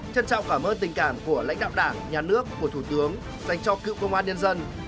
chân trọng cảm ơn tình cảm của lãnh đạo đảng nhà nước của thủ tướng dành cho cựu công an nhân dân